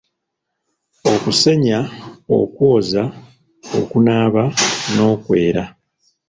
Okusenya, okwoza, okunaaba, n'okwera.